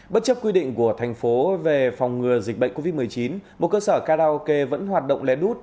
bất chấp quy định của thành phố về phòng ngừa dịch bệnh covid một mươi chín một cơ sở karaoke vẫn hoạt động lén lút